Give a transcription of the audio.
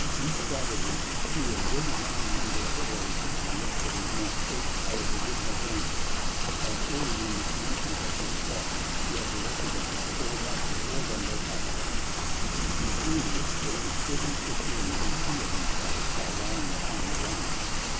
These savages threw a good round number of arrows into the midst of his men, which, however, did no damage, as, early in the commencement of the assault, he had directed them to hold up before them their pack saddles, behind which they could pretty securely conceal themselves while lying upon the ground.